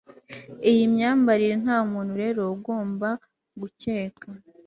iyi myambarire, ntamuntu rero ugomba gukeka